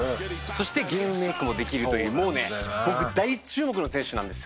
そしてゲームメイクもできるというもうね僕大注目の選手なんですよ。